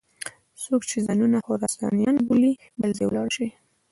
څوک چې ځانونه خراسانیان بولي بل ځای ولاړ شي.